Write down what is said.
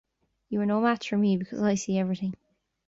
You are no match for me because I see everything.